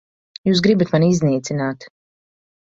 Jūs gribat mani iznīcināt.